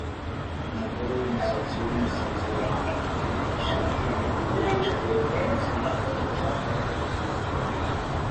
Umugore wumusatsi wumusatsi wambaye ishati yumuhondo yicaye munsi yicyapa cyubururu